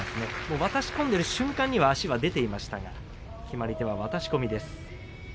渡し込んでいる瞬間に足が出ていましたが決まり手は渡し込みです。